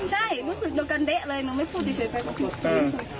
ใช่รู้สึกเดียวกันเดะเลยหนูไม่พูดดีเฉยไปก็พูด